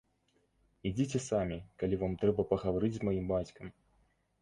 Ідзіце самі, калі вам трэба пагаварыць з маім бацькам.